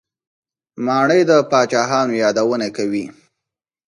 ماڼۍ د پاچاهانو یادونه کوي.